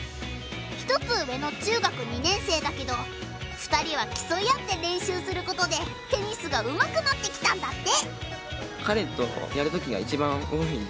１つ上の中学２年生だけど２人はきそい合って練習することでテニスがうまくなってきたんだって。